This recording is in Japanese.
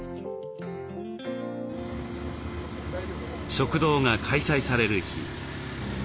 食堂が開催される日。